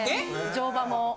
乗馬も。